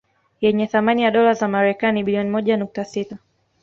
Yenye thamani ya dola za Marekani bilioni moja nukta sita